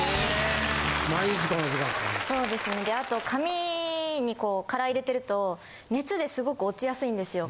そうですねであと髪にこうカラー入れてると熱ですごく落ちやすいんですよ。